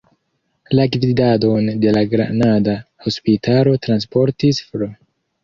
La gvidadon de la granada hospitalo transprenis Fr.